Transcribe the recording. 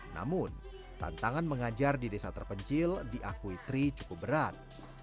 namun tantangan mengajar di desa terpencil diakuitri cukup berat